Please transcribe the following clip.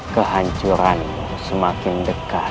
kehancuranmu semakin dekat